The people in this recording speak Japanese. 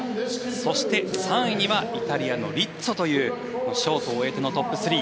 そして、３位にはイタリアのリッツォというショートを終えてのトップ３。